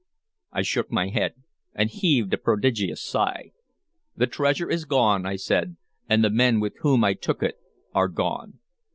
I shook my head and heaved a prodigious sigh. "The treasure is gone," I said, "and the men with whom I took it are gone.